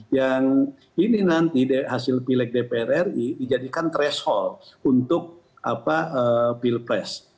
yang ini nanti hasil pilek dpr ri dijadikan threshold untuk pilpres